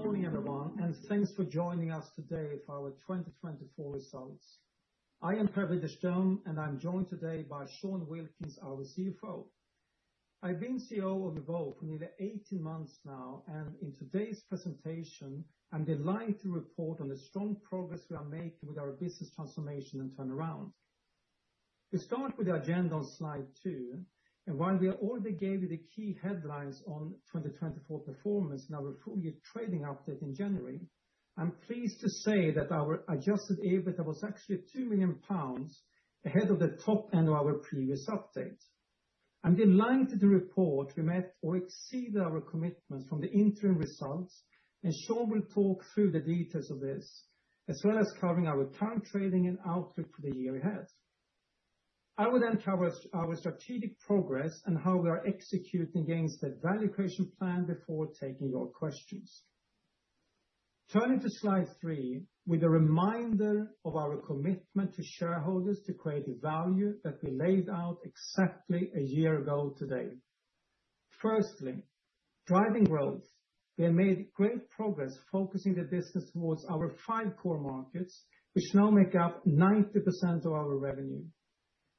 Good morning, everyone, and thanks for joining us today for our 2024 results. I am Per Widerström, and I'm joined today by Sean Wilkins, our CFO. I've been CEO of Evoke for nearly 18 months now, and in today's presentation, I'm delighted to report on the strong progress we are making with our business transformation and turnaround. We start with the agenda on slide two, and while we already gave you the key headlines on 2024 performance and our full-year trading update in January, I'm pleased to say that our adjusted EBITDA was actually 2 million pounds ahead of the top end of our previous update. I'm delighted to report we met or exceeded our commitments from the interim results, and Sean will talk through the details of this, as well as covering our current trading and outlook for the year ahead. I will then cover our strategic progress and how we are executing against the valuation plan before taking your questions. Turning to slide three with a reminder of our commitment to shareholders to create the value that we laid out exactly a year ago today. Firstly, driving growth, we have made great progress focusing the business towards our five core markets, which now make up 90% of our revenue.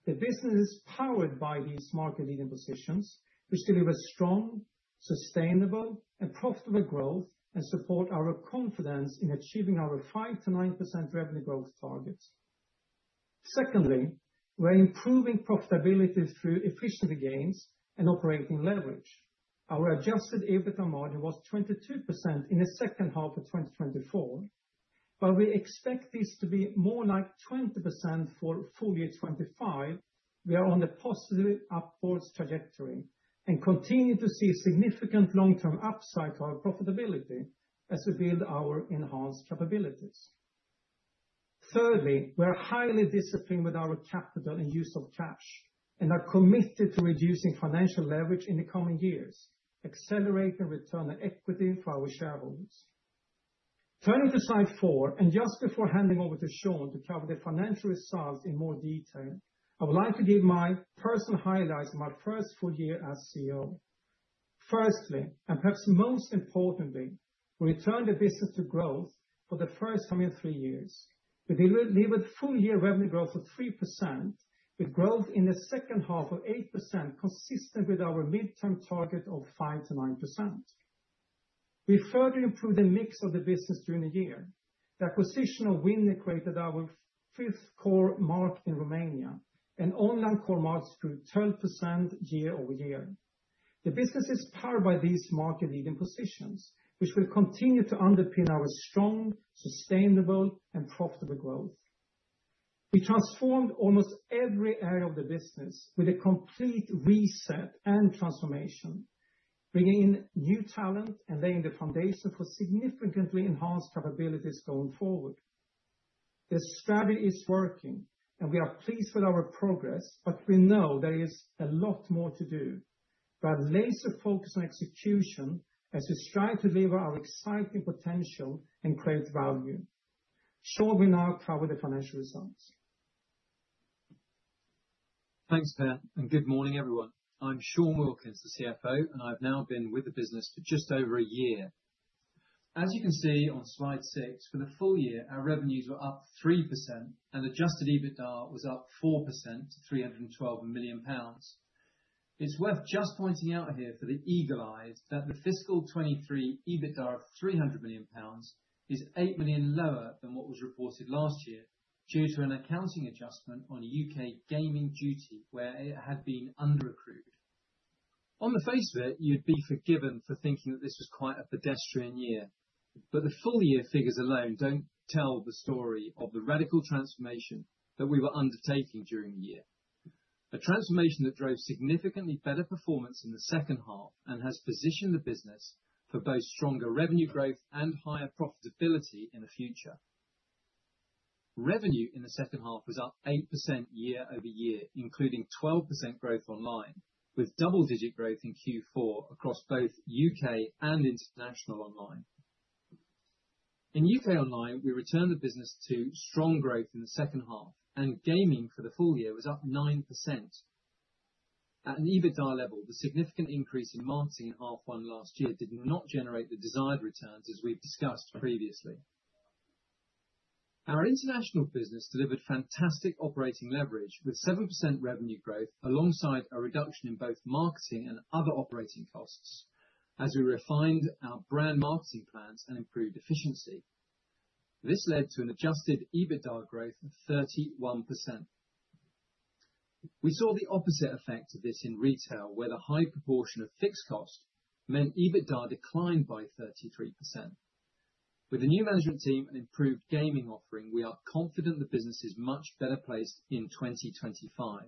The business is powered by these market-leading positions, which deliver strong, sustainable, and profitable growth and support our confidence in achieving our 5%-9% revenue growth targets. Secondly, we're improving profitability through efficiency gains and operating leverage. Our adjusted EBITDA margin was 22% in the second half of 2024, but we expect this to be more like 20% for full year 2025. We are on a positive upwards trajectory and continue to see significant long-term upside to our profitability as we build our enhanced capabilities. Thirdly, we are highly disciplined with our capital and use of cash and are committed to reducing financial leverage in the coming years, accelerating return on equity for our shareholders. Turning to slide four, just before handing over to Sean to cover the financial results in more detail, I would like to give my personal highlights of my first full year as CEO. Firstly, and perhaps most importantly, we returned the business to growth for the first time in three years. We delivered full-year revenue growth of 3%, with growth in the second half of 8%, consistent with our midterm target of 5%-9%. We further improved the mix of the business during the year. The acquisition of Winner created our fifth core market in Romania and online core markets grew 12% year-over-year. The business is powered by these market-leading positions, which will continue to underpin our strong, sustainable, and profitable growth. We transformed almost every area of the business with a complete reset and transformation, bringing in new talent and laying the foundation for significantly enhanced capabilities going forward. The strategy is working, and we are pleased with our progress, but we know there is a lot more to do. We are laser-focused on execution as we strive to deliver our exciting potential and create value. Sean, we now cover the financial results. Thanks, Per, and good morning, everyone. I'm Sean Wilkins, the CFO, and I've now been with the business for just over a year. As you can see on slide six, for the full year, our revenues were up 3%, and adjusted EBITDA was up 4% to 312 million pounds. It's worth just pointing out here for the eagle eyes that the fiscal 2023 EBITDA of 300 million pounds is 8 million lower than what was reported last year due to an accounting adjustment on U.K. gaming duty, where it had been under-accrued. On the face of it, you'd be forgiven for thinking that this was quite a pedestrian year, but the full-year figures alone don't tell the story of the radical transformation that we were undertaking during the year. A transformation that drove significantly better performance in the second half and has positioned the business for both stronger revenue growth and higher profitability in the future. Revenue in the second half was up 8% year-over-year, including 12% growth online, with double-digit growth in Q4 across both U.K. and international online. In U.K. online, we returned the business to strong growth in the second half, and gaming for the full year was up 9%. At an EBITDA level, the significant increase in marketing in half one last year did not generate the desired returns, as we've discussed previously. Our international business delivered fantastic operating leverage with 7% revenue growth alongside a reduction in both marketing and other operating costs as we refined our brand marketing plans and improved efficiency. This led to an adjusted EBITDA growth of 31%. We saw the opposite effect of this in retail, where the high proportion of fixed costs meant EBITDA declined by 33%. With a new management team and improved gaming offering, we are confident the business is much better placed in 2025.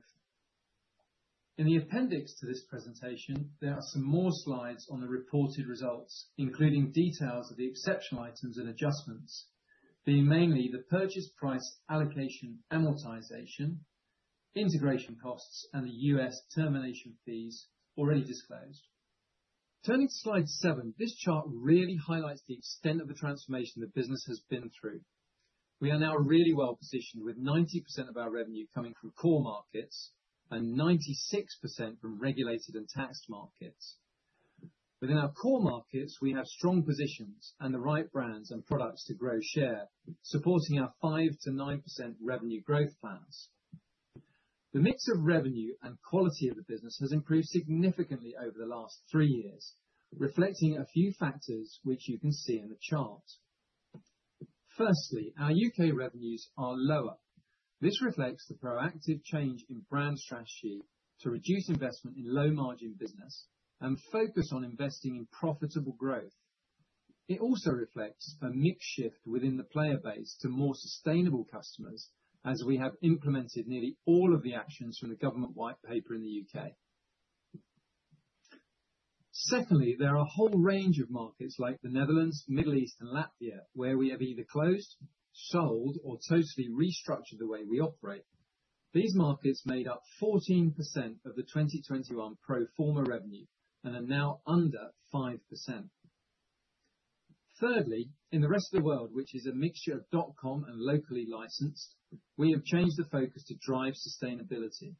In the appendix to this presentation, there are some more slides on the reported results, including details of the exceptional items and adjustments, being mainly the purchase price allocation amortization, integration costs, and the U.S. termination fees already disclosed. Turning to slide seven, this chart really highlights the extent of the transformation the business has been through. We are now really well positioned, with 90% of our revenue coming from core markets and 96% from regulated and taxed markets. Within our core markets, we have strong positions and the right brands and products to grow share, supporting our 5%-9% revenue growth plans. The mix of revenue and quality of the business has improved significantly over the last three years, reflecting a few factors which you can see in the chart. Firstly, our U.K. revenues are lower. This reflects the proactive change in brand strategy to reduce investment in low-margin business and focus on investing in profitable growth. It also reflects a mixed shift within the player base to more sustainable customers, as we have implemented nearly all of the actions from the government white paper in the U.K. Secondly, there are a whole range of markets like the Netherlands, Middle East, and Latvia, where we have either closed, sold, or totally restructured the way we operate. These markets made up 14% of the 2021 pro forma revenue and are now under 5%. Thirdly, in the rest of the world, which is a mixture of dot-com and locally licensed, we have changed the focus to drive sustainability.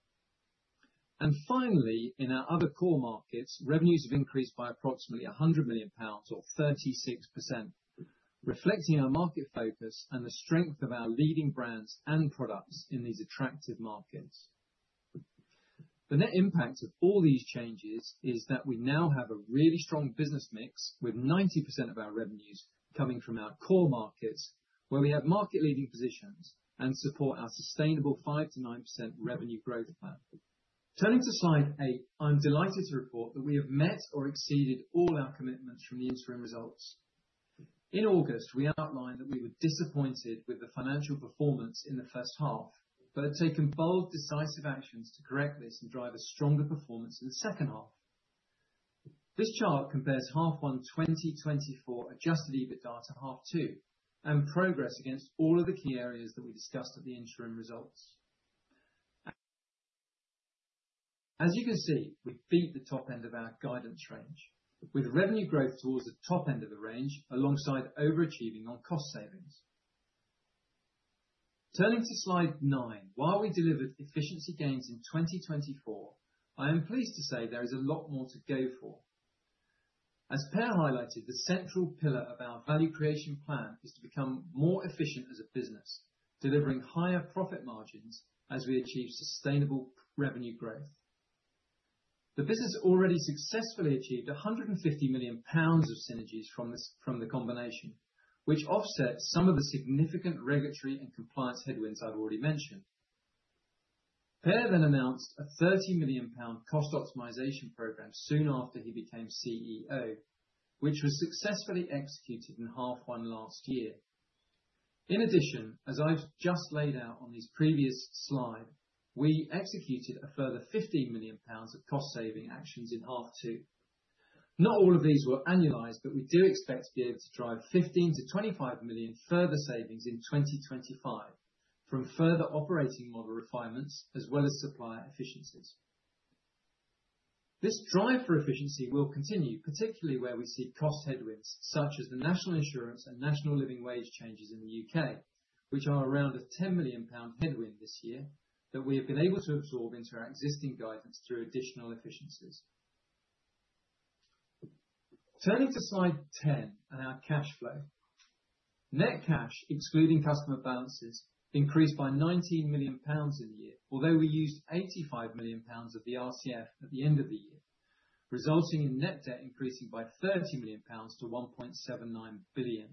Finally, in our other core markets, revenues have increased by approximately 100 million pounds or 36%, reflecting our market focus and the strength of our leading brands and products in these attractive markets. The net impact of all these changes is that we now have a really strong business mix, with 90% of our revenues coming from our core markets, where we have market-leading positions and support our sustainable 5%-9% revenue growth plan. Turning to slide eight, I'm delighted to report that we have met or exceeded all our commitments from the interim results. In August, we outlined that we were disappointed with the financial performance in the first half, but had taken bold, decisive actions to correct this and drive a stronger performance in the second half. This chart compares half one 2024 adjusted EBITDA to half two and progress against all of the key areas that we discussed at the interim results. As you can see, we beat the top end of our guidance range, with revenue growth towards the top end of the range alongside overachieving on cost savings. Turning to slide nine, while we delivered efficiency gains in 2024, I am pleased to say there is a lot more to go for. As Per highlighted, the central pillar of our Value Creation Plan is to become more efficient as a business, delivering higher profit margins as we achieve sustainable revenue growth. The business already successfully achieved 150 million pounds of synergies from the combination, which offsets some of the significant regulatory and compliance headwinds I have already mentioned. Per then announced a 30 million pound cost optimization program soon after he became CEO, which was successfully executed in half one last year. In addition, as I have just laid out on these previous slides, we executed a further 15 million pounds of cost-saving actions in half two. Not all of these were annualized, but we do expect to be able to drive 15 million-25 million further savings in 2025 from further operating model refinements as well as supplier efficiencies. This drive for efficiency will continue, particularly where we see cost headwinds such as the National Insurance and National Living Wage changes in the U.K., which are around 10 million pound headwind this year that we have been able to absorb into our existing guidance through additional efficiencies. Turning to slide ten and our cash flow. Net cash, excluding customer balances, increased by 19 million pounds in the year, although we used 85 million pounds of the RCF at the end of the year, resulting in net debt increasing by 30 million-1.79 billion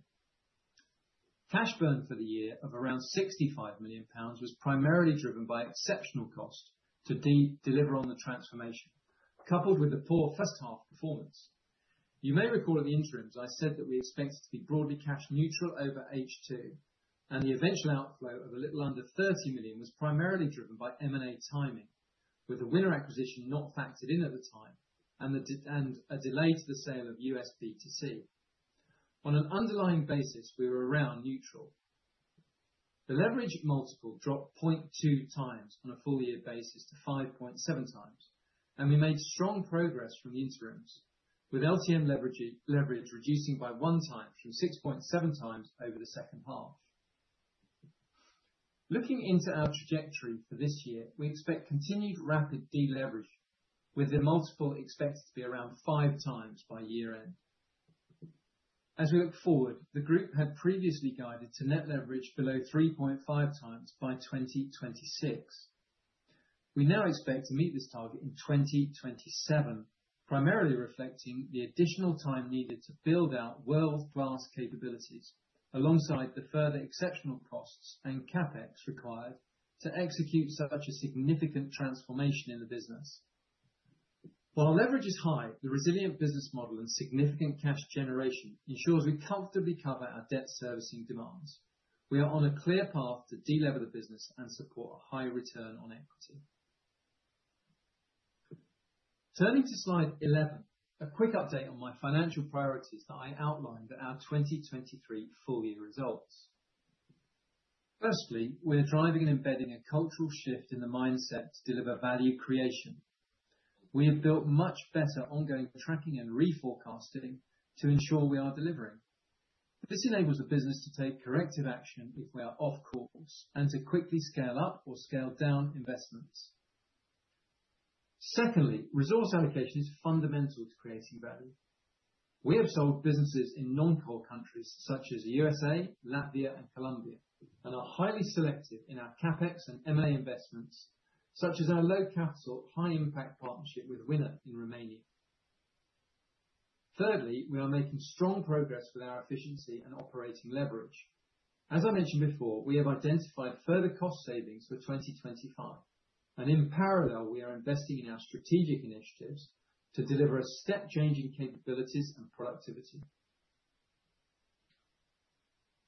pounds. Cash burn for the year of around 65 million pounds was primarily driven by exceptional costs to deliver on the transformation, coupled with the poor first half performance. You may recall in the interims I said that we expected to be broadly cash neutral over H2, and the eventual outflow of a little under 30 million was primarily driven by M&A timing, with the Winner acquisition not factored in at the time and a delay to the sale of U.S. B2C. On an underlying basis, we were around neutral. The leverage multiple dropped 0.2 times on a full-year basis to 5.7 times, and we made strong progress from the interims, with LTM leverage reducing by one time from 6.7 times over the second half. Looking into our trajectory for this year, we expect continued rapid deleveraging, with the multiple expected to be around five times by year-end. As we look forward, the group had previously guided to net leverage below 3.5 times by 2026. We now expect to meet this target in 2027, primarily reflecting the additional time needed to build out world-class capabilities alongside the further exceptional costs and CapEx required to execute such a significant transformation in the business. While leverage is high, the resilient business model and significant cash generation ensures we comfortably cover our debt servicing demands. We are on a clear path to delever the business and support a high return on equity. Turning to slide 11, a quick update on my financial priorities that I outlined at our 2023 full-year results. Firstly, we're driving and embedding a cultural shift in the mindset to deliver value creation. We have built much better ongoing tracking and reforecasting to ensure we are delivering. This enables the business to take corrective action if we are off course and to quickly scale up or scale down investments. Secondly, resource allocation is fundamental to creating value. We have sold businesses in non-core countries such as the U.S., Latvia, and Colombia, and are highly selective in our CapEx and M&A investments, such as our low-capital, high-impact partnership with Winner in Romania. Thirdly, we are making strong progress with our efficiency and operating leverage. As I mentioned before, we have identified further cost savings for 2025, and in parallel, we are investing in our strategic initiatives to deliver step-changing capabilities and productivity.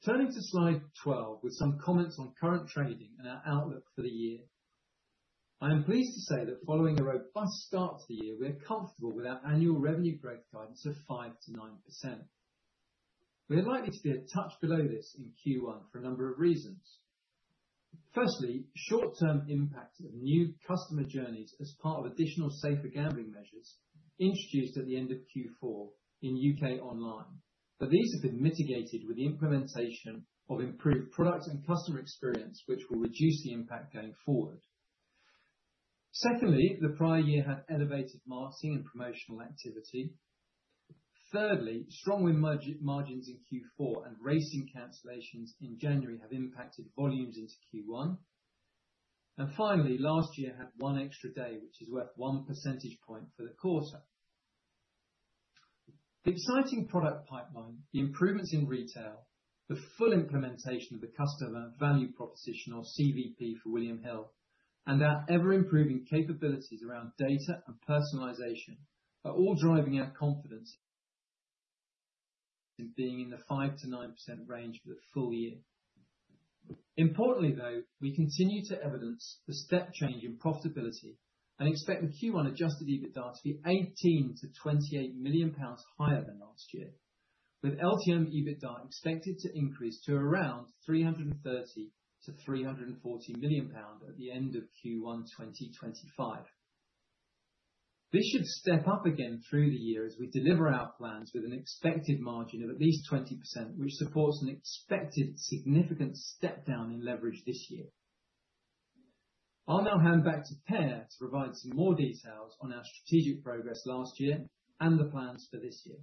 Turning to slide 12, with some comments on current trading and our outlook for the year, I am pleased to say that following a robust start to the year, we are comfortable with our annual revenue growth guidance of 5%-9%. We are likely to be a touch below this in Q1 for a number of reasons. Firstly, short-term impact of new customer journeys as part of additional safer gambling measures introduced at the end of Q4 in U.K. online, but these have been mitigated with the implementation of improved product and customer experience, which will reduce the impact going forward. Secondly, the prior year had elevated marketing and promotional activity. Thirdly, strong win margins in Q4 and racing cancellations in January have impacted volumes into Q1. Finally, last year had one extra day, which is worth one percentage point for the quarter. The exciting product pipeline, the improvements in retail, the full implementation of the customer value proposition, or CVP, for William Hill, and our ever-improving capabilities around data and personalization are all driving our confidence in being in the 5%-9% range for the full year. Importantly, though, we continue to evidence the step change in profitability and expect the Q1 adjusted EBITDA to be 18 million-28 million pounds higher than last year, with LTM EBITDA expected to increase to around 330 million-340 million pounds at the end of Q1 2025. This should step up again through the year as we deliver our plans with an expected margin of at least 20%, which supports an expected significant step down in leverage this year. I'll now hand back to Per to provide some more details on our strategic progress last year and the plans for this year.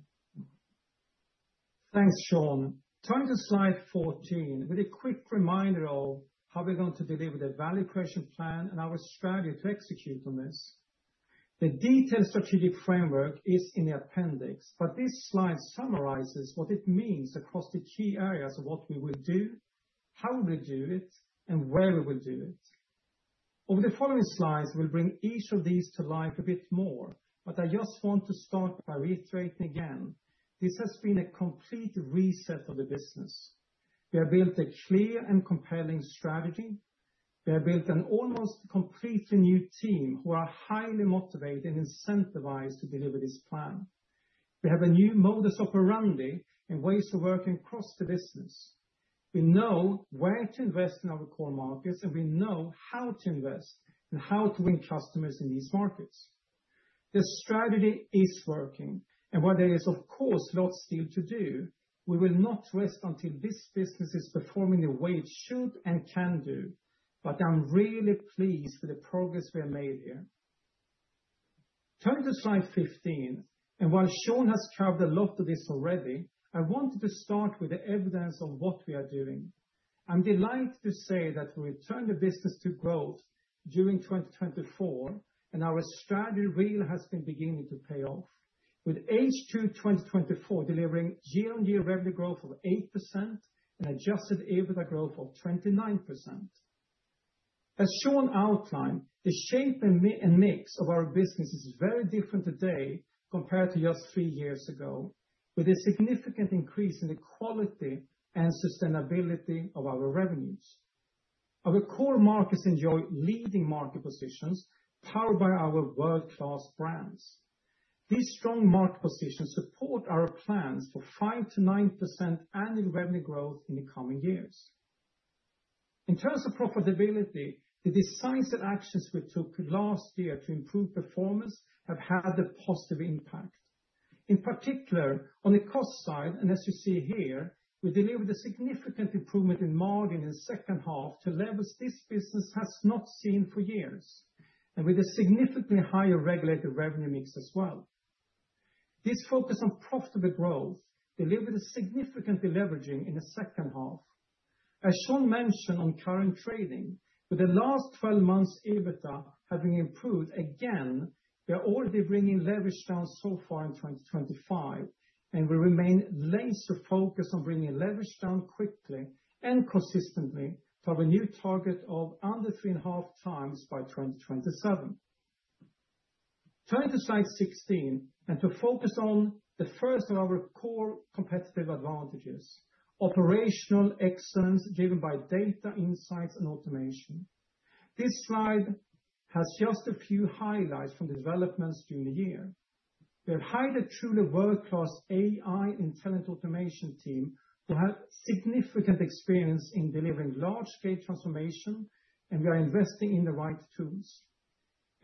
Thanks, Sean. Turning to slide 14, with a quick reminder of how we're going to deliver the Value Creation Plan and our strategy to execute on this. The detailed strategic framework is in the appendix, but this slide summarizes what it means across the key areas of what we will do, how we will do it, and where we will do it. Over the following slides, we'll bring each of these to life a bit more, but I just want to start by reiterating again, this has been a complete reset of the business. We have built a clear and compelling strategy. We have built an almost completely new team who are highly motivated and incentivized to deliver this plan. We have a new modus operandi and ways of working across the business. We know where to invest in our core markets, and we know how to invest and how to win customers in these markets. The strategy is working, and while there is, of course, lots still to do, we will not rest until this business is performing the way it should and can do, but I'm really pleased with the progress we have made here. Turning to slide 15, and while Sean has covered a lot of this already, I wanted to start with the evidence of what we are doing. I'm delighted to say that we returned the business to growth during 2024, and our strategy really has been beginning to pay off, with H2 2024 delivering year-on-year revenue growth of 8% and adjusted EBITDA growth of 29%. As Sean outlined, the shape and mix of our business is very different today compared to just three years ago, with a significant increase in the quality and sustainability of our revenues. Our core markets enjoy leading market positions powered by our world-class brands. These strong market positions support our plans for 5%-9% annual revenue growth in the coming years. In terms of profitability, the decisive actions we took last year to improve performance have had a positive impact, in particular on the cost side, and as you see here, we delivered a significant improvement in margin in the second half to levels this business has not seen for years, and with a significantly higher regulated revenue mix as well. This focus on profitable growth delivered a significant deleveraging in the second half. As Sean mentioned on current trading, with the last 12 months' EBITDA having improved again, we are already bringing leverage down so far in 2025, and we remain laser-focused on bringing leverage down quickly and consistently to have a new target of under three and a half times by 2027. Turning to slide 16, and to focus on the first of our core competitive advantages, operational excellence driven by data insights and automation. This slide has just a few highlights from the developments during the year. We have hired a truly world-class AI and talent automation team who have significant experience in delivering large-scale transformation, and we are investing in the right tools.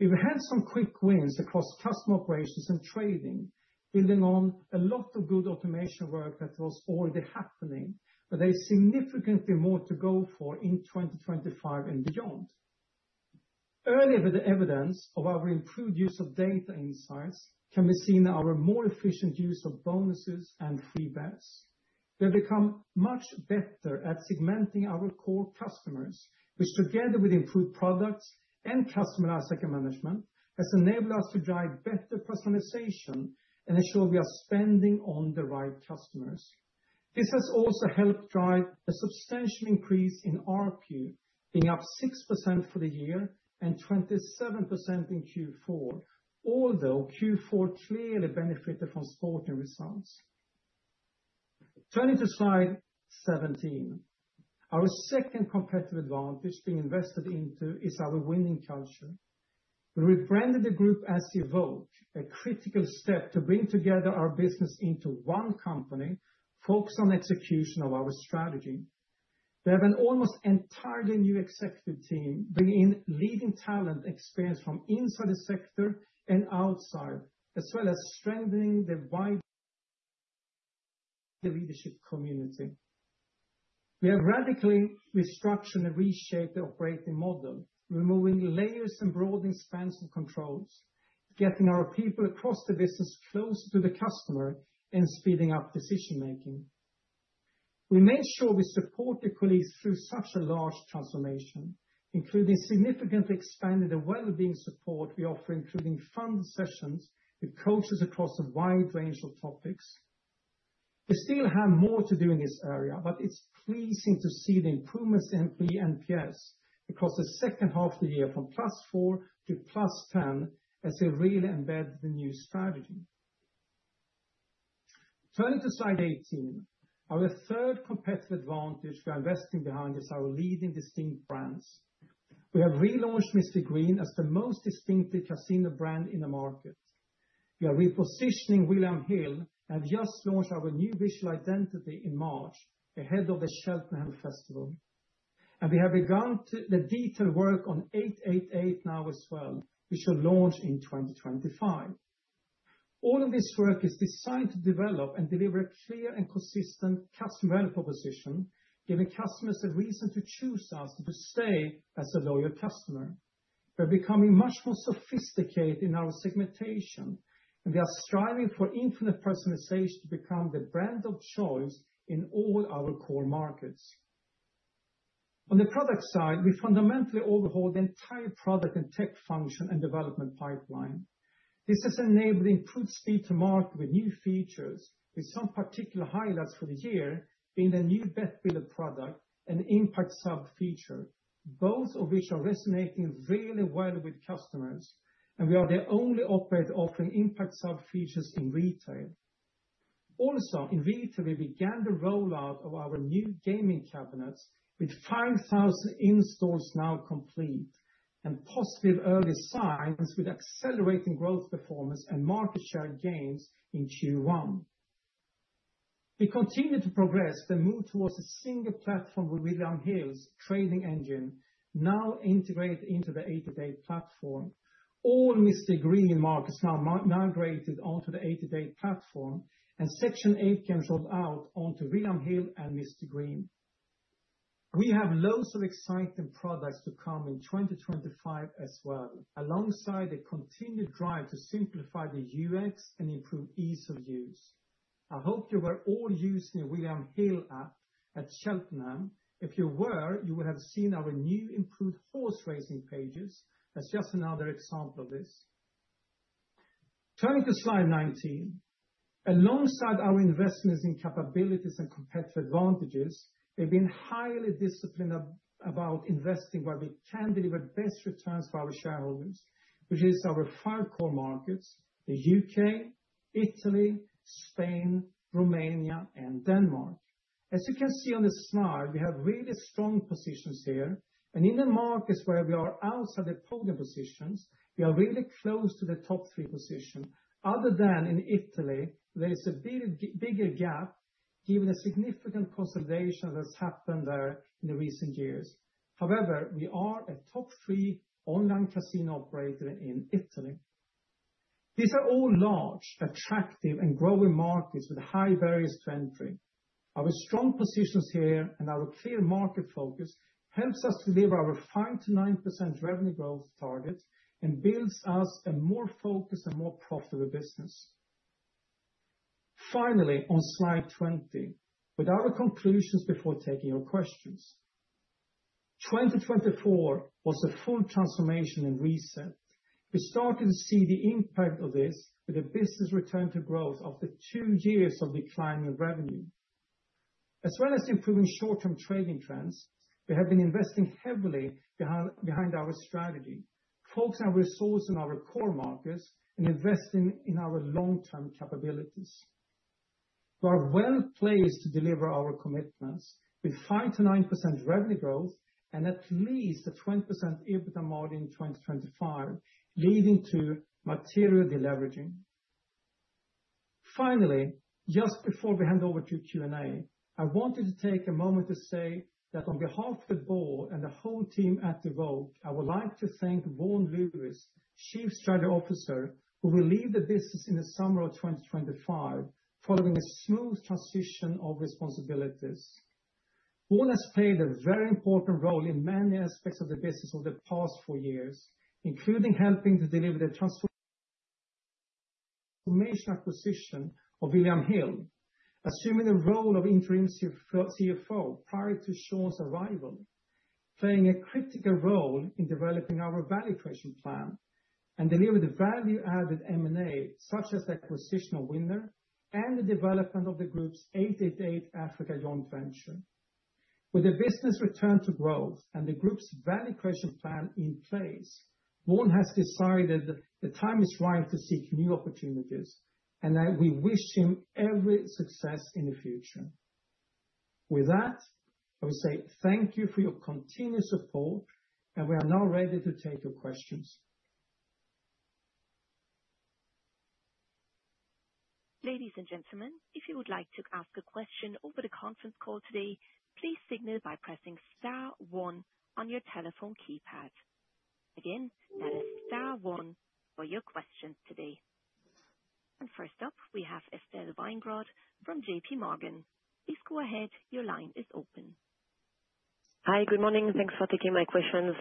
We've had some quick wins across customer operations and trading, building on a lot of good automation work that was already happening, but there is significantly more to go for in 2025 and beyond. Earlier, the evidence of our improved use of data insights can be seen in our more efficient use of bonuses and feedbacks. We have become much better at segmenting our core customers, which together with improved products and customer lifecycle management has enabled us to drive better personalization and ensure we are spending on the right customers. This has also helped drive a substantial increase in ARPU, being up 6% for the year and 27% in Q4, although Q4 clearly benefited from sporting results. Turning to slide 17, our second competitive advantage being invested into is our winning culture. We rebranded the group as Evoke, a critical step to bring together our business into one company, focused on execution of our strategy. We have an almost entirely new executive team, bringing in leading talent experience from inside the sector and outside, as well as strengthening the wide leadership community. We have radically restructured and reshaped the operating model, removing layers, and broadening spans and controls, getting our people across the business closer to the customer, and speeding up decision-making. We made sure we supported colleagues through such a large transformation, including significantly expanding the well-being support we offer, including funded sessions with coaches across a wide range of topics. We still have more to do in this area, but it's pleasing to see the improvements in employee NPS across the second half of the year from +4-+10 as we really embed the new strategy. Turning to slide 18, our third competitive advantage we are investing behind is our leading distinct brands. We have relaunched Mr Green as the most distinctive casino brand in the market. We are repositioning William Hill and have just launched our new visual identity in March ahead of the Cheltenham Festival. We have begun the detailed work on 888 now as well, which will launch in 2025. All of this work is designed to develop and deliver a clear and consistent customer value proposition, giving customers a reason to choose us to stay as a loyal customer. We're becoming much more sophisticated in our segmentation, and we are striving for infinite personalization to become the brand of choice in all our core markets. On the product side, we fundamentally overhauled the entire product and tech function and development pipeline. This has enabled improved speed to market with new features, with some particular highlights for the year being the new Bet Builder product and the Impact Sub feature, both of which are resonating really well with customers, and we are the only operator offering Impact Sub features in retail. Also, in retail, we began the rollout of our new gaming cabinets with 5,000 installs now complete and positive early signs with accelerating growth performance and market share gains in Q1. We continue to progress the move towards a single platform with William Hill's trading engine now integrated into the 888 platform. All Mr Green markets now migrated onto the 888 platform, and Section8 can roll out onto William Hill and Mr Green. We have loads of exciting products to come in 2025 as well, alongside a continued drive to simplify the UX and improve ease of use. I hope you were all using the William Hill app at Cheltenham. If you were, you will have seen our new improved horse racing pages as just another example of this. Turning to slide 19, alongside our investments in capabilities and competitive advantages, we've been highly disciplined about investing where we can deliver best returns for our shareholders, which is our five core markets: the U.K., Italy, Spain, Romania, and Denmark. As you can see on the slide, we have really strong positions here, and in the markets where we are outside the polling positions, we are really close to the top three position. Other than in Italy, there is a bigger gap given the significant consolidation that has happened there in the recent years. However, we are a top three online casino operator in Italy. These are all large, attractive, and growing markets with high barriers to entry. Our strong positions here and our clear market focus helps us deliver our 5%-9% revenue growth target and builds us a more focused and more profitable business. Finally, on slide 20, with our conclusions before taking your questions, 2024 was a full transformation and reset. We started to see the impact of this with a business return to growth after two years of declining revenue. As well as improving short-term trading trends, we have been investing heavily behind our strategy, focusing our resources on our core markets and investing in our long-term capabilities. We are well placed to deliver our commitments with 5%-9% revenue growth and at least a 20% EBITDA margin in 2025, leading to material deleveraging. Finally, just before we hand over to Q&A, I wanted to take a moment to say that on behalf of the board and the whole team at Evoke, I would like to thank Vaughan Lewis, Chief Strategy Officer, who will leave the business in the summer of 2025, following a smooth transition of responsibilities. Vaughan has played a very important role in many aspects of the business over the past four years, including helping to deliver the transformation acquisition of William Hill, assuming the role of interim CFO prior to Sean's arrival, playing a critical role in developing our Value Creation Plan and delivering the value-added M&A, such as the acquisition of Winner and the development of the group's 888 Africa joint venture. With the business return to growth and the group's Value Creation Plan in place, Vaughan has decided the time is right to seek new opportunities, and we wish him every success in the future. With that, I would say thank you for your continued support, and we are now ready to take your questions. Ladies, and gentlemen, if you would like to ask a question over the conference call today, please signal by pressing star one on your telephone keypad. Again, that is Star 1 for your questions today. First up, we have Estelle Weingrod from JPMorgan. Please go ahead, your line is open. Hi, good morning. Thanks for taking my questions.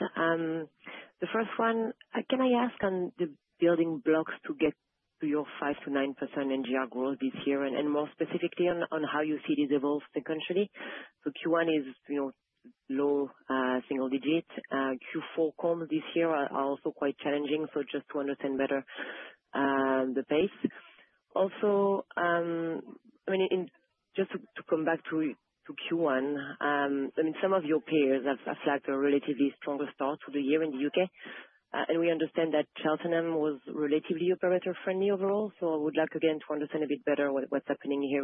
The first one, can I ask on the building blocks to get to your 5%-9% NGR growth this year and more specifically on how you see this evolve secondarily? Q1 is low single digit. Q4 comps this year are also quite challenging, just to understand better the pace. Also, I mean, just to come back to Q1, I mean, some of your peers have flagged a relatively strong start to the year in the U.K., and we understand that Cheltenham was relatively operator-friendly overall, so I would like again to understand a bit better what's happening here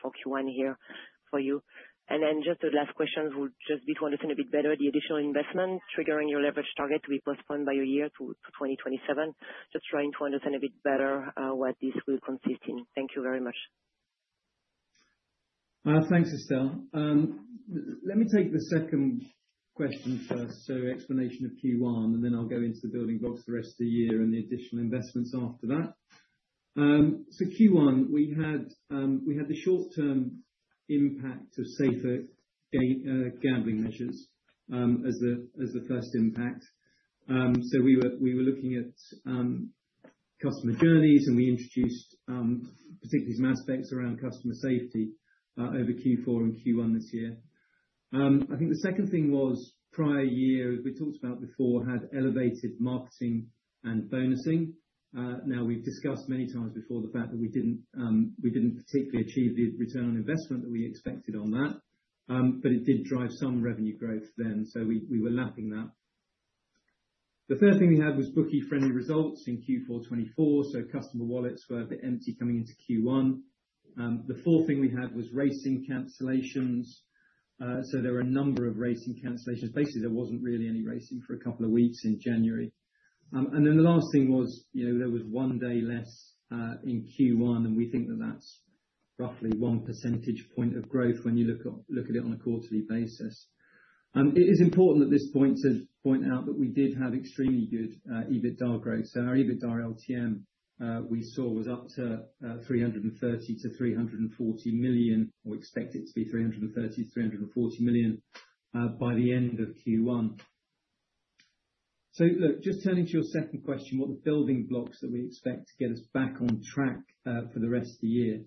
for Q1 here for you. The last question would just be to understand a bit better the additional investment triggering your leverage target to be postponed by a year to 2027, just trying to understand a bit better what this will consist in. Thank you very much. Thanks, Estelle. Let me take the second question first, so explanation of Q1, and then I'll go into the building blocks for the rest of the year and the additional investments after that. Q1, we had the short-term impact of safer gambling measures as the first impact. We were looking at customer journeys, and we introduced particularly some aspects around customer safety over Q4 and Q1 this year. I think the second thing was prior year, as we talked about before, had elevated marketing and bonusing. Now, we've discussed many times before the fact that we didn't particularly achieve the return on investment that we expected on that, but it did drive some revenue growth then, so we were lapping that. The third thing we had was bookie-friendly results in Q4 2024, so customer wallets were a bit empty coming into Q1. The fourth thing we had was racing cancellations, so there were a number of racing cancellations. Basically, there wasn't really any racing for a couple of weeks in January. The last thing was there was one day less in Q1, and we think that that's roughly one percentage point of growth when you look at it on a quarterly basis. It is important at this point to point out that we did have extremely good EBITDA growth. Our EBITDA LTM we saw was up to 330 million-340 million. We expect it to be 330 million-340 million by the end of Q1. Just turning to your second question, what are the building blocks that we expect to get us back on track for the rest of the year?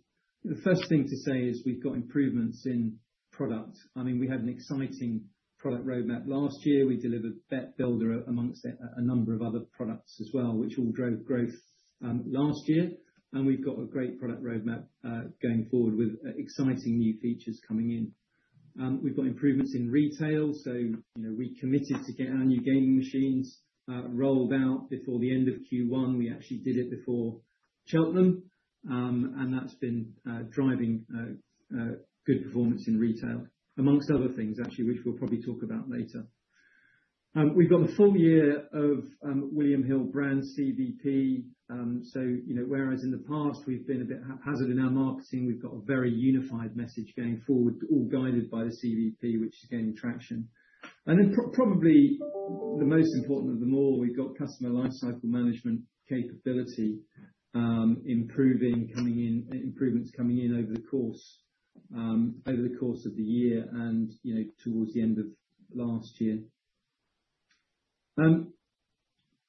The first thing to say is we've got improvements in product. I mean, we had an exciting product roadmap last year. We delivered Bet Builder amongst a number of other products as well, which all drove growth last year, and we've got a great product roadmap going forward with exciting new features coming in. We've got improvements in retail, so we committed to getting our new gaming machines rolled out before the end of Q1. We actually did it before Cheltenham, and that's been driving good performance in retail, amongst other things, actually, which we'll probably talk about later. We've got the full year of William Hill brand CVP. Whereas in the past we've been a bit haphazard in our marketing, we've got a very unified message going forward, all guided by the CVP, which is gaining traction. Probably the most important of them all, we've got customer lifecycle management capability improvements coming in over the course of the year and towards the end of last year.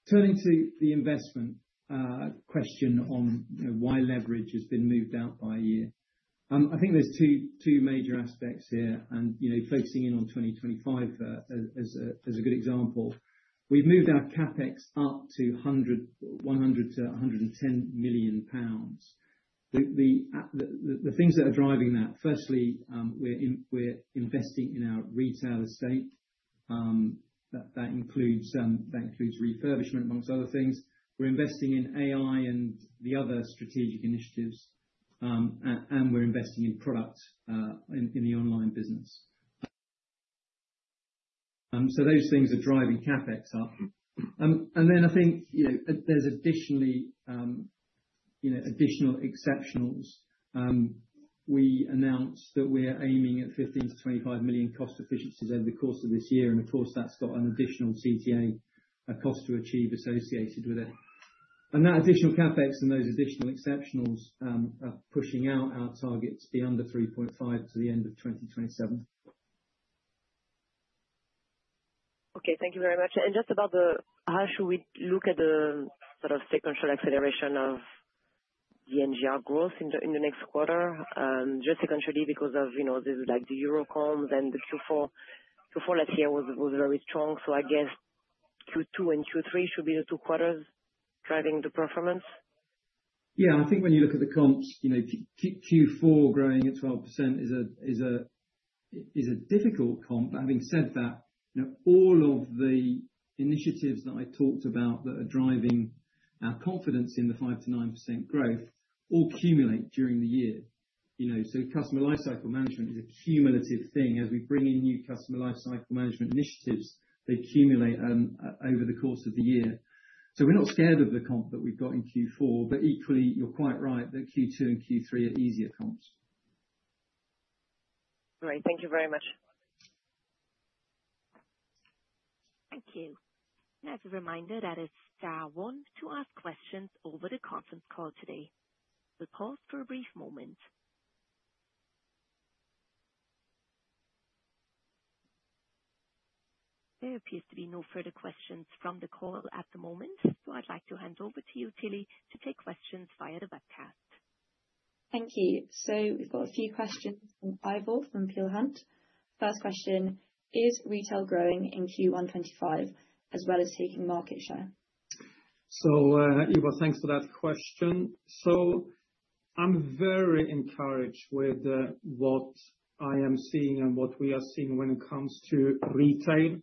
Turning to the investment question on why leverage has been moved out by a year, I think there are two major aspects here, and focusing in on 2025 as a good example. We've moved our CapEx up to 100 million-110 million pounds. The things that are driving that, firstly, we're investing in our retail estate. That includes refurbishment, among other things. We're investing in AI and the other strategic initiatives, and we're investing in product in the online business. Those things are driving CapEx up. I think there's additionally additional exceptionals. We announced that we're aiming at 15 million-25 million cost efficiencies over the course of this year, and of course, that's got an additional CTA, a cost to achieve associated with it. That additional CapEx and those additional exceptionals are pushing out our target to be under 3.5 to the end of 2027. Okay, thank you very much. Just about the how should we look at the sort of sequential acceleration of the NGR growth in the next quarter? Just secondarily because of the Euro comps and the Q4. Q4 last year was very strong, so I guess Q2 and Q3 should be the two quarters driving the performance. Yeah, I think when you look at the comps, Q4 growing at 12% is a difficult comp, but having said that, all of the initiatives that I talked about that are driving our confidence in the 5%-9% growth all cumulate during the year. Customer lifecycle management is a cumulative thing. As we bring in new customer lifecycle management initiatives, they accumulate over the course of the year. We're not scared of the comp that we've got in Q4, but equally, you're quite right that Q2 and Q3 are easier comps. All right, thank you very much. Thank you. As a reminder, that is star one to ask questions over the conference call today. We'll pause for a brief moment. There appears to be no further questions from the call at the moment, so I'd like to hand over to you, Tilly, to take questions via the webcast. Thank you. We have a few questions from Ivor from Peel Hunt. First question, is retail growing in Q1 2025 as well as taking market share? Ivor, thanks for that question. I am very encouraged with what I am seeing and what we are seeing when it comes to retail.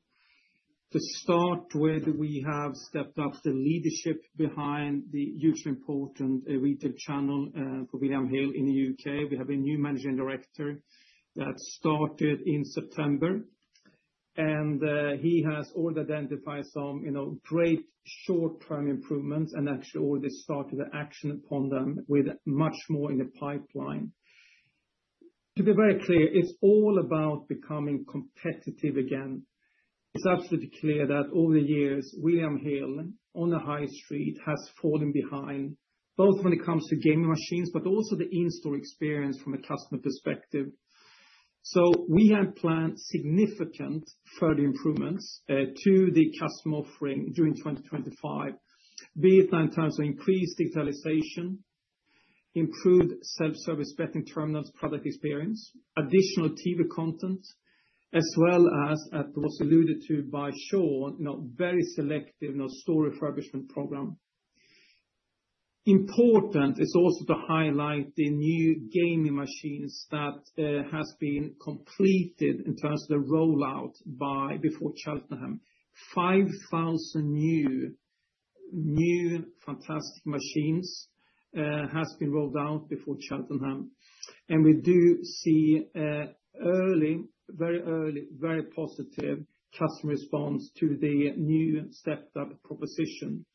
To start with, we have stepped up the leadership behind the hugely important retail channel for William Hill in the U.K. We have a new Managing Director that started in September, and he has already identified some great short-term improvements, and actually already started to act upon them with much more in the pipeline. To be very clear, it is all about becoming competitive again. It's absolutely clear that over the years, William Hill on the high street has fallen behind, both when it comes to gaming machines, but also the in-store experience from a customer perspective. We have planned significant further improvements to the customer offering during 2025, be it in terms of increased digitalization, improved self-service betting terminals product experience, additional TV content, as well as, as was alluded to by Sean, a very selective store refurbishment program. Important is also to highlight the new gaming machines that have been completed in terms of the rollout before Cheltenham. 5,000 new fantastic machines have been rolled out before Cheltenham, and we do see early, very early, very positive customer response to the new stepped-up proposition.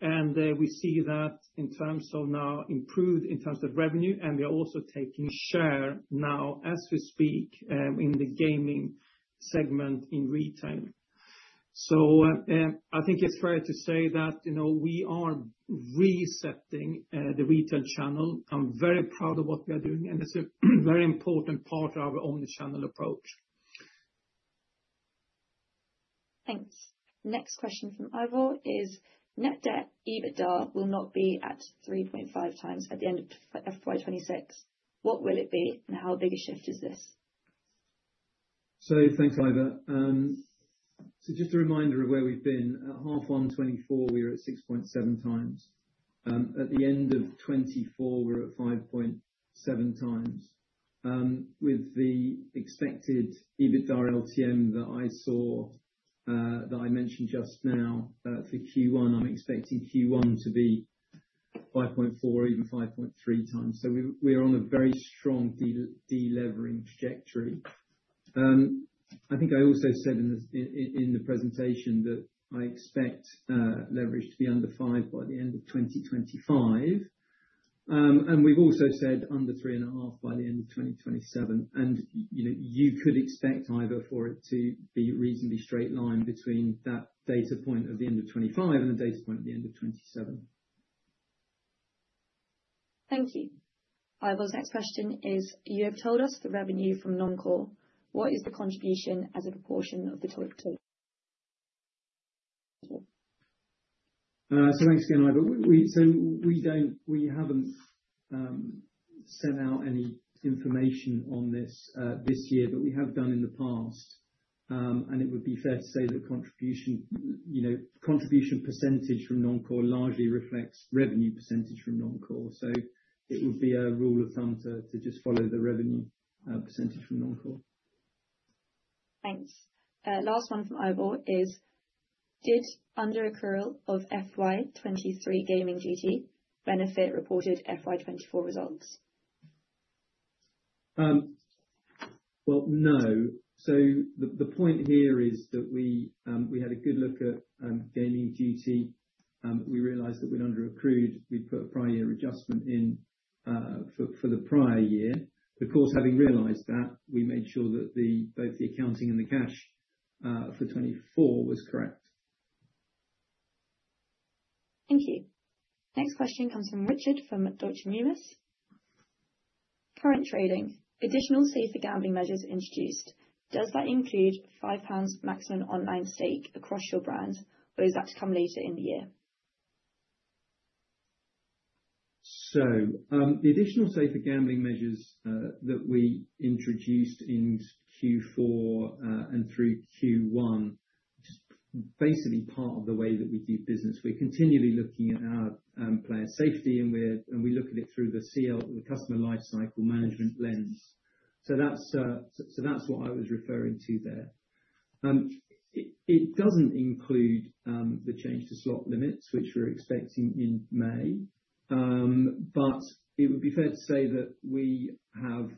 We see that in terms of now improved in terms of revenue, and we are also taking share now as we speak in the gaming segment in retail. I think it is fair to say that we are resetting the retail channel. I am very proud of what we are doing, and it is a very important part of our omnichannel approach. Thanks. Next question from Ivor is net debt EBITDA will not be at 3.5 times at the end of fiscal year 2026. What will it be, and how big a shift is this? Thanks, Ivor. Just a reminder of where we have been. At half one 2024, we were at 6.7 times. At the end of 2024, we are at 5.7 times. With the expected EBITDA LTM that I mentioned just now for Q1, I am expecting Q1 to be 5.4 or even 5.3 times. We are on a very strong delevering trajectory. I think I also said in the presentation that I expect leverage to be under five by the end of 2025, and we have also said under 3.5 by the end of 2027. You could expect, Ivor, for it to be a reasonably straight line between that data point of the end of 2025 and the data point of the end of 2027. Thank you. Ivor's next question is, you have told us the revenue from non-core. What is the contribution as a proportion of the total? Thanks again, Ivor. We have not sent out any information on this this year, but we have done in the past, and it would be fair to say that contribution percentage from non-core largely reflects revenue percentage from non-core. It would be a rule of thumb to just follow the revenue % from non-core. Thanks. Last one from Ivor is, did under accrual of FY 2023 gaming duty benefit reported FY 2024 results? No. The point here is that we had a good look at gaming duty. We realized that when under accrued, we put a prior year adjustment in for the prior year. Of course, having realized that, we made sure that both the accounting and the cash for 2024 was correct. Thank you. Next question comes from Richard from Deutsche Numis. Current trading, additional safer gambling measures introduced. Does that include 5 pounds maximum online stake across your brands, or is that to come later in the year? The additional safer gambling measures that we introduced in Q4 and through Q1 are just basically part of the way that we do business. We're continually looking at our player safety, and we look at it through the customer lifecycle management lens. That is what I was referring to there. It does not include the change to slot limits, which we're expecting in May, but it would be fair to say that we have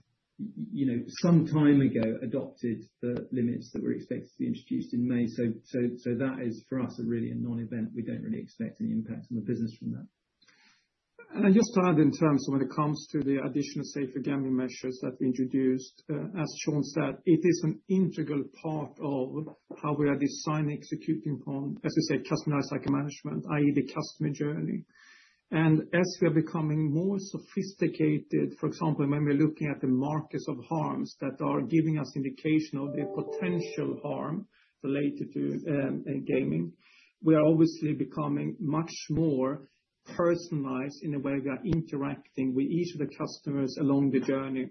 some time ago adopted the limits that were expected to be introduced in May. That is, for us, really a non-event. We do not really expect any impact on the business from that. Just to add, in terms of when it comes to the additional safer gambling measures that we introduced, as Sean said, it is an integral part of how we are designing and executing upon, as we say, customer lifecycle management, i.e., the customer journey. As we are becoming more sophisticated, for example, when we're looking at the markers of harms that are giving us indication of the potential harm related to gaming, we are obviously becoming much more personalized in the way we are interacting with each of the customers along the journey.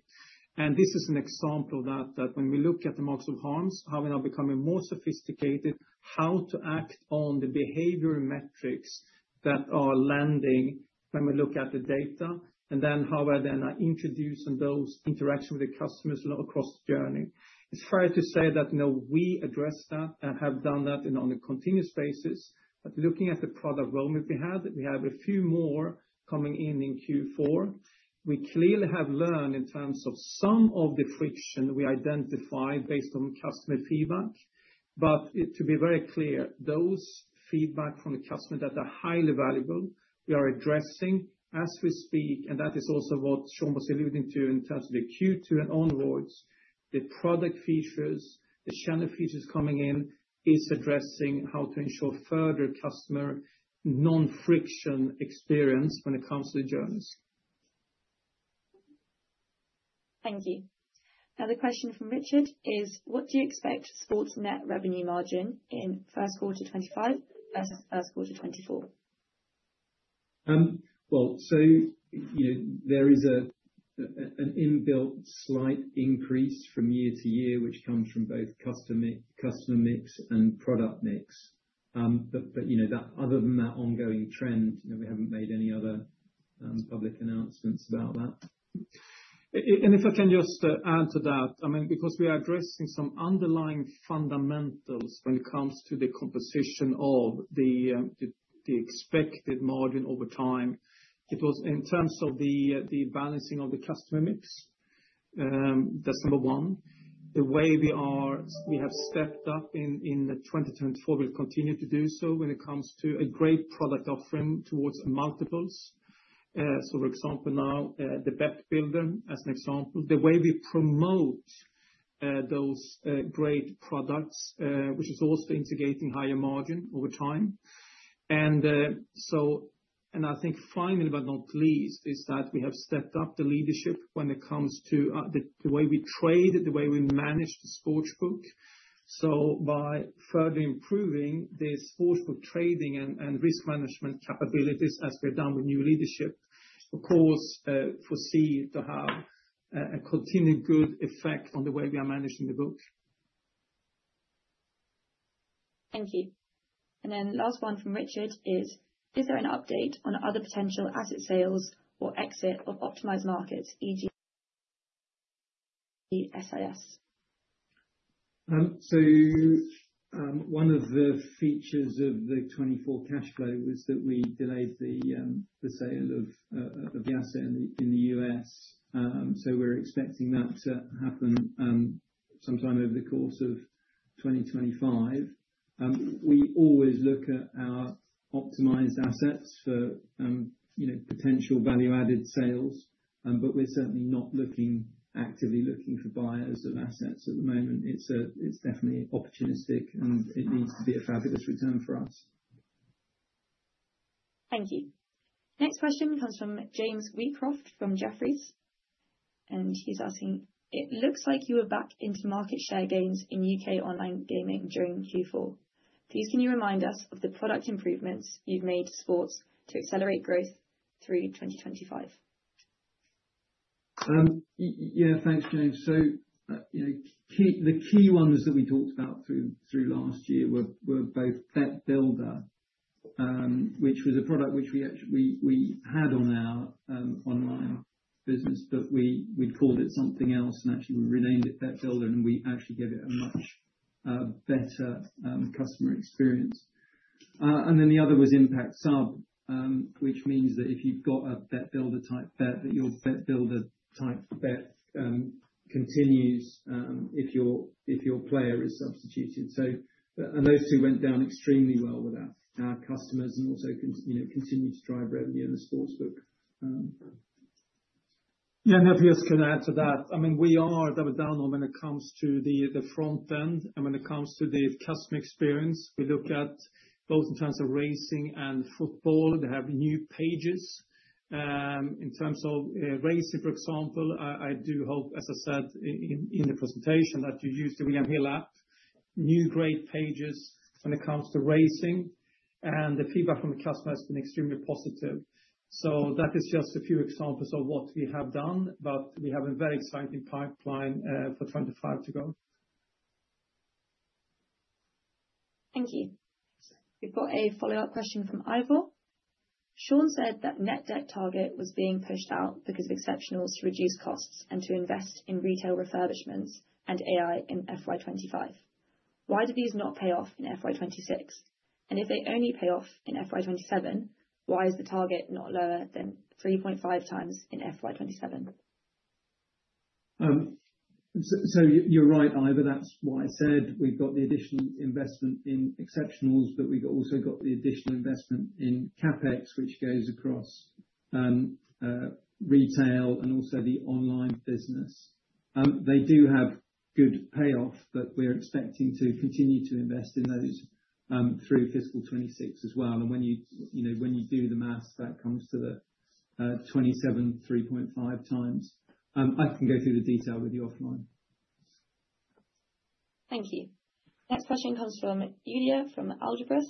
This is an example of that, that when we look at the marks of harms, how we are becoming more sophisticated, how to act on the behavioral metrics that are landing when we look at the data, and then how we are then introducing those interactions with the customers across the journey. It's fair to say that we address that and have done that on a continuous basis. Looking at the product roadmap we had, we have a few more coming in in Q4. We clearly have learned in terms of some of the friction we identified based on customer feedback. To be very clear, those feedback from the customer that are highly valuable, we are addressing as we speak, and that is also what Sean was alluding to in terms of the Q2 and onwards. The product features, the channel features coming in is addressing how to ensure further customer non-friction experience when it comes to the journeys. Thank you. Now the question from Richard is, what do you expect sports net revenue margin in first quarter 2025 versus first quarter 2024? There is an inbuilt slight increase from year to year, which comes from both customer mix and product mix. Other than that ongoing trend, we have not made any other public announcements about that. If I can just add to that, I mean, because we are addressing some underlying fundamentals when it comes to the composition of the expected margin over time, it was in terms of the balancing of the customer mix. That's number one. The way we have stepped up in 2024, we'll continue to do so when it comes to a great product offering towards multiples. For example, now the Bet Builder, as an example, the way we promote those great products, which is also instigating higher margin over time. I think finally, but not least, is that we have stepped up the leadership when it comes to the way we trade, the way we manage the sportsbook. By further improving the sportsbook trading and risk management capabilities as we've done with new leadership, of course, foresee to have a continued good effect on the way we are managing the book. Thank you. The last one from Richard is, is there an update on other potential asset sales or exit of optimized markets, e.g., SIS? One of the features of the 2024 cash flow was that we delayed the sale of the asset in the U.S. We are expecting that to happen sometime over the course of 2025. We always look at our optimized assets for potential value-added sales, but we are certainly not actively looking for buyers of assets at the moment. It is definitely opportunistic, and it needs to be a fabulous return for us. Thank you. Next question comes from James Wheatcroft from Jefferies, and he's asking, it looks like you were back into market share gains in U.K. online gaming during Q4. Please, can you remind us of the product improvements you've made to sports to accelerate growth through 2025? Yeah, thanks, James. The key ones that we talked about through last year were both Bet Builder, which was a product which we had on our online business, but we'd called it something else, and actually we renamed it Bet Builder, and we actually gave it a much better customer experience. The other was Impact Sub, which means that if you've got a Bet Builder type bet, your Bet Builder type bet continues if your player is substituted. Those two went down extremely well with our customers and also continue to drive revenue in the sportsbook. Yeah, maybe I can add to that. I mean, we are double down on when it comes to the front end and when it comes to the customer experience. We look at both in terms of racing and football. They have new pages. In terms of racing, for example, I do hope, as I said in the presentation, that you use the William Hill app, new great pages when it comes to racing, and the feedback from the customer has been extremely positive. That is just a few examples of what we have done, but we have a very exciting pipeline for 2025 to go. Thank you. We've got a follow-up question from Ivor. Sean said that net debt target was being pushed out because of exceptionals to reduce costs and to invest in retail refurbishments and AI in FY 2025. Why did these not pay off in FY 2026? If they only pay off in FY 2027, why is the target not lower than 3.5 times in FY 2027? You're right, Ivor. That's what I said. We've got the additional investment in exceptionals, but we've also got the additional investment in CapEx, which goes across retail and also the online business. They do have good payoff, but we're expecting to continue to invest in those through fiscal 2026 as well. When you do the math, that comes to the 2027 3.5 times. I can go through the detail with you offline. Thank you. Next question comes from Yulia from Algebris.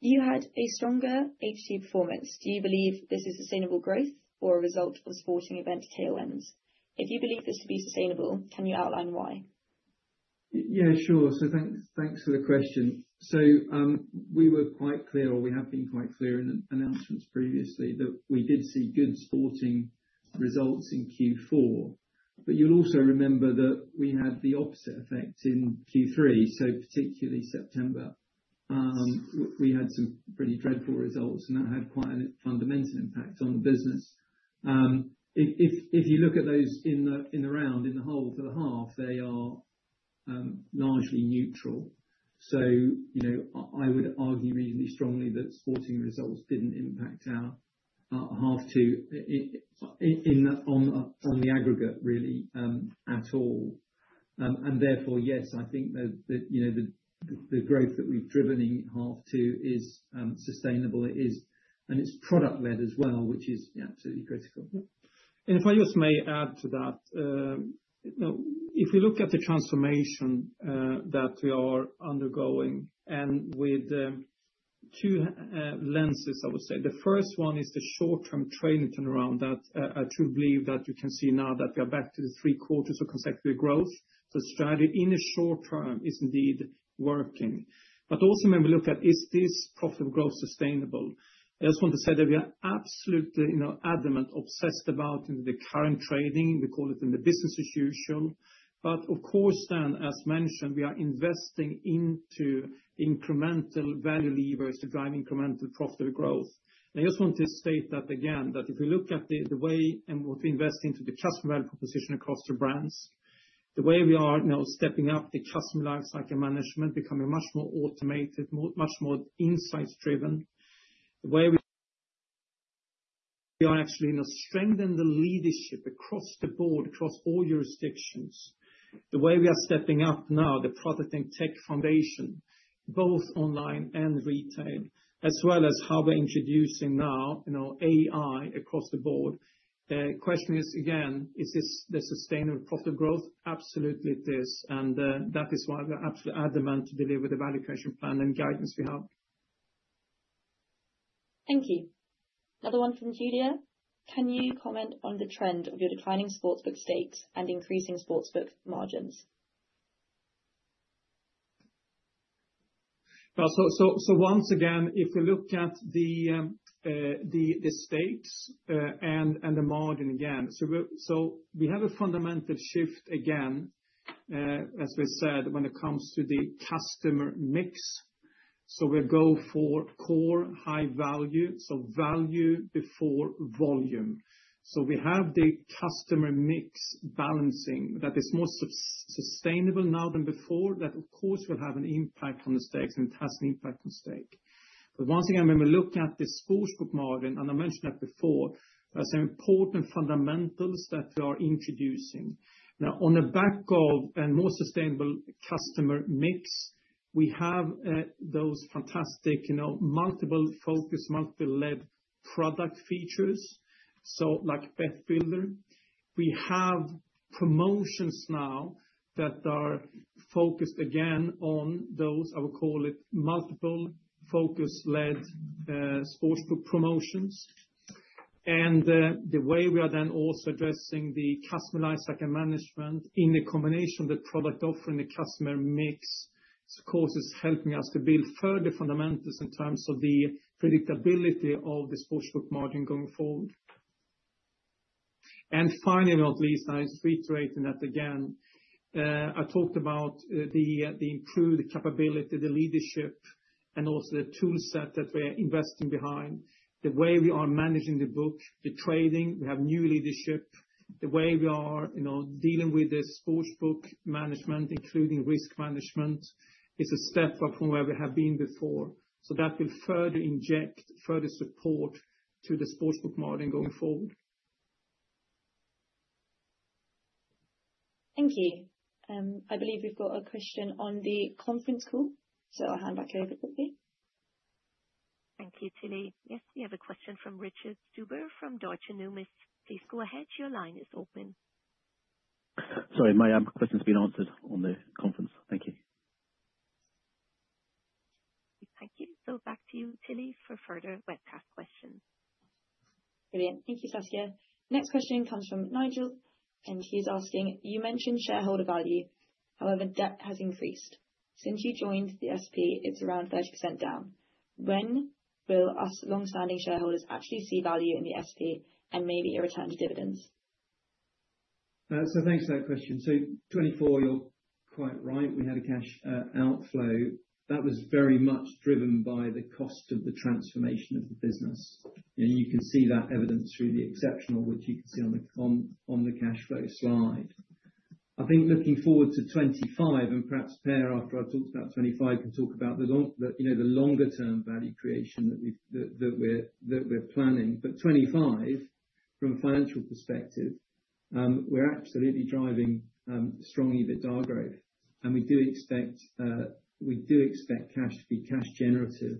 You had a stronger H2 performance. Do you believe this is sustainable growth or a result of sporting event tailwinds? If you believe this to be sustainable, can you outline why? Yeah, sure. Thanks for the question. We were quite clear, or we have been quite clear in announcements previously, that we did see good sporting results in Q4. You will also remember that we had the opposite effect in Q3, so particularly September. We had some pretty dreadful results, and that had quite a fundamental impact on the business. If you look at those in the round, in the whole, for the half, they are largely neutral. I would argue reasonably strongly that sporting results did not impact our half two on the aggregate, really, at all. Therefore, yes, I think that the growth that we have driven in half two is sustainable, and it is product-led as well, which is absolutely critical. If I just may add to that, if we look at the transformation that we are undergoing and with two lenses, I would say. The first one is the short-term training turnaround that I truly believe that you can see now that we are back to the three quarters of consecutive growth. The strategy in the short term is indeed working. Also, when we look at, is this profitable growth sustainable? I just want to say that we are absolutely adamant, obsessed about the current trading. We call it in the business as usual. Of course, as mentioned, we are investing into incremental value levers to drive incremental profitable growth. I just want to state that again, that if we look at the way and what we invest into the customer value proposition across the brands, the way we are stepping up the customer lifecycle management, becoming much more automated, much more insights-driven. The way we are actually strengthening the leadership across the board, across all jurisdictions. The way we are stepping up now, the product and tech foundation, both online and retail, as well as how we're introducing now AI across the board. The question is, again, is this the sustainable profitable growth? Absolutely, it is. That is why we're absolutely adamant to deliver the valuation plan and guidance we have. Thank you. Another one from Yulia. Can you comment on the trend of your declining sportsbook stakes and increasing sportsbook margins? Once again, if we look at the stakes and the margin again, we have a fundamental shift again, as we said, when it comes to the customer mix. We will go for core high value, so value before volume. We have the customer mix balancing that is more sustainable now than before, that of course will have an impact on the stakes and it has an impact on stake. Once again, when we look at the sportsbook margin, and I mentioned that before, there are some important fundamentals that we are introducing. Now, on the back of a more sustainable customer mix, we have those fantastic multiple-focused, multiple-led product features, so like Bet Builder. We have promotions now that are focused again on those, I would call it, multiple-focused, led sportsbook promotions. The way we are then also addressing the customer lifecycle management in the combination of the product offering and the customer mix, of course, is helping us to build further fundamentals in terms of the predictability of the sportsbook margin going forward. Finally, not least, I'm reiterating that again. I talked about the improved capability, the leadership, and also the toolset that we are investing behind. The way we are managing the book, the trading, we have new leadership. The way we are dealing with the sportsbook management, including risk management, is a step up from where we have been before. That will further inject further support to the sportsbook margin going forward. Thank you. I believe we have a question on the conference call. I will hand back over quickly. Thank you, Tilly. Yes, we have a question from Richard Stuber from Deutsche Numis. Please go ahead. Your line is open. Sorry, my question has been answered on the conference. Thank you. Thank you. Back to you, Tilly, for further webcast questions. Brilliant. Thank you, Saskia. Next question comes from Nigel, and he is asking, you mentioned shareholder value, however, debt has increased. Since you joined the SP, it is around 30% down. When will us long-standing shareholders actually see value in the SP and maybe a return to dividends? Thanks for that question. Twenty twenty-four, you're quite right. We had a cash outflow. That was very much driven by the cost of the transformation of the business. You can see that evidence through the exceptional, which you can see on the cash flow slide. I think looking forward to twenty twenty-five and perhaps Per, after I've talked about twenty twenty-five, will talk about the longer-term value creation that we're planning. Twenty twenty-five, from a financial perspective, we're absolutely driving strong EBITDA growth. We do expect cash to be cash-generative,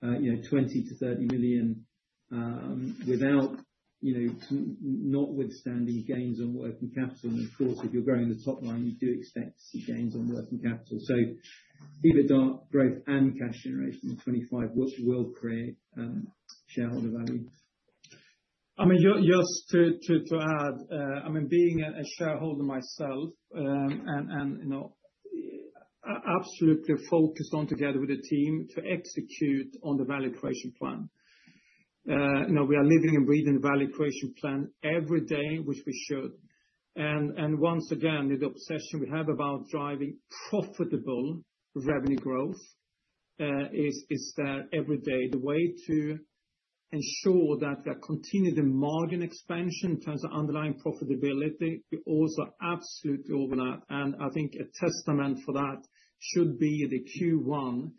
20 million-30 million, notwithstanding gains on working capital. Of course, if you're growing the top line, you do expect to see gains on working capital. EBITDA growth and cash generation in twenty twenty-five will create shareholder value. I mean, just to add, I mean, being a shareholder myself and absolutely focused on together with the team to execute on the Value Creation Plan. We are living and breathing the Value Creation Plan every day, which we should. Once again, the obsession we have about driving profitable revenue growth is that every day. The way to ensure that we are continuing the margin expansion in terms of underlying profitability, we also absolutely overlap, and I think a testament for that should be the Q1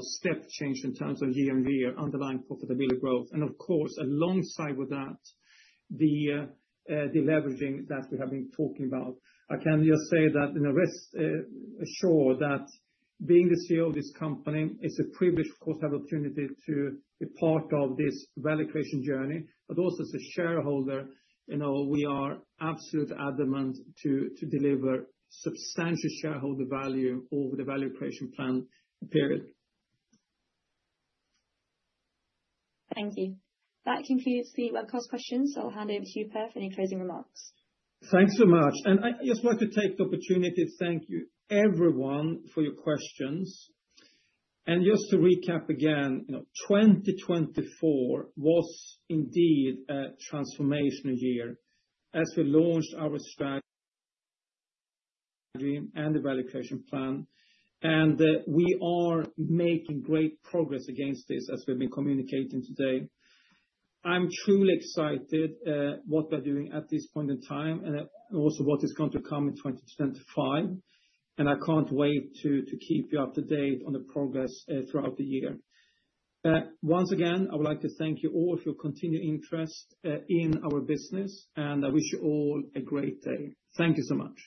step change in terms of year-on-year underlying profitability growth. Of course, alongside with that, the leveraging that we have been talking about. I can just say that I'm sure that being the CEO of this company, it's a privilege, of course, to have the opportunity to be part of this value creation journey, but also as a shareholder, we are absolutely adamant to deliver substantial shareholder value over the Value Creation Plan period. Thank you. That concludes the webcast questions. I'll hand over to you, Per, for any closing remarks. Thanks so much. I just wanted to take the opportunity to thank you, everyone, for your questions. Just to recap again, 2024 was indeed a transformational year as we launched our strategy and the Value Creation Plan. We are making great progress against this as we've been communicating today. I'm truly excited about what we're doing at this point in time and also what is going to come in 2025. I can't wait to keep you up to date on the progress throughout the year. Once again, I would like to thank you all for your continued interest in our business, and I wish you all a great day. Thank you so much.